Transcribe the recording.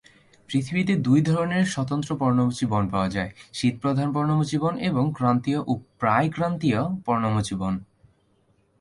পৃথিবীতে দুই ধরনের স্বতন্ত্র পর্ণমোচী বন পাওয়া যায়ঃ শীতপ্রধান পর্ণমোচী বন এবং ক্রান্তীয় ও প্রায়-ক্রান্তীয় পর্ণমোচী বন।